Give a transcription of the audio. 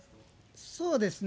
そうですね。